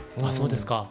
あっそうですか。